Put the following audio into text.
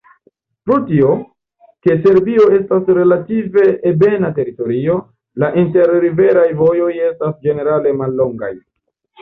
Pro tio, ke Siberio estas relative ebena teritorio, la inter-riveraj vojoj estas ĝenerale mallongaj.